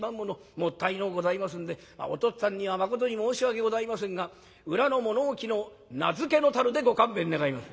もったいのうございますんでお父っつぁんにはまことに申し訳ございませんが裏の物置の菜漬の樽でご勘弁願います」。